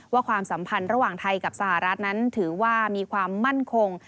ความสัมพันธ์ระหว่างไทยกับสหรัฐนั้นถือว่ามีความมั่นคง